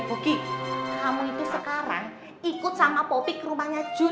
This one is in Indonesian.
hey boki kamu itu sekarang ikut sama popi ke rumahnya jun